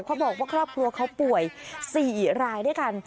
เขาบอกว่าครอบครัวเขาป่วย๔รายด้วยกัน